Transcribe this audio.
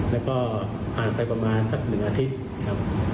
แล้วก็ผ่านไปประมาณสัก๑อาทิตย์ครับ